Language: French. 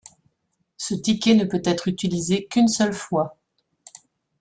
Ce ticket ne peut être utilisé qu'une seule fois.